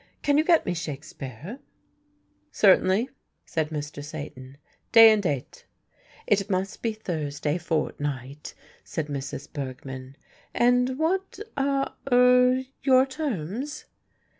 Can you get me Shakespeare?" "Certainly," said Mr. Satan, "day and date?" "It must be Thursday fortnight," said Mrs. Bergmann. "And what, ah er your terms?"